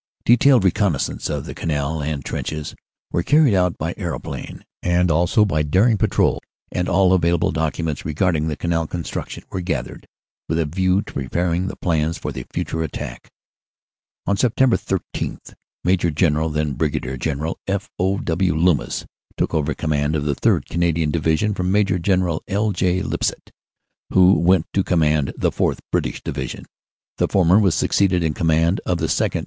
"Detailed reconnaissance of the Canal and trenches were carried out by aeroplane, and also by daring patrols, and all available documents regarding the Canal construction were gathered with a view to preparing the plans for the future attack. "On Sept. 13, Maj. General (then Brig. General) F. O. W. Loomis took over command of the 3rd. Canadian Division from Maj. General L. J. Lipsett, who went to command the 4th. (British) Division; the former was succeeded in command of the 2nd.